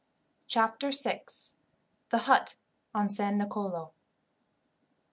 Chapter 6: The Hut On San Nicolo.